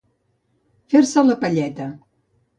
Fer-se la palleta.